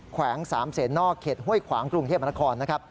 แขวง๓เสนนอกเข็ดเฮ้ยขวางกรุงเทพมนาคม